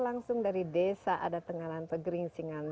langsung dari desa adat tenganan pegering singan